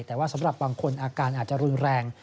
แต่ว่าสำหรับบางคนอาการอาจจะรุนแรง